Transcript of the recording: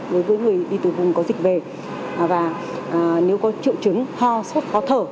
với những người đi từ vùng có dịch về và nếu có triệu chứng ho sốt khó thở